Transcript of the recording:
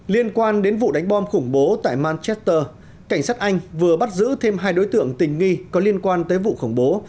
liên quan đến vụ đánh bom khủng bố tại manchester cảnh sát anh vừa bắt giữ thêm hai đối tượng tình nghi có liên quan tới vụ khủng bố